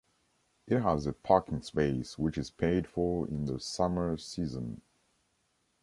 It has a parking space, which is paid for in the summer season.